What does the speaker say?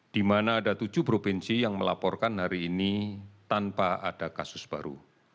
di mana ada tujuh provinsi yang melaporkan hari ini tanpa ada kasus baru